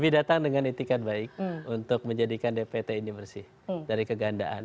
kami datang dengan itikat baik untuk menjadikan dpt ini bersih dari kegandaan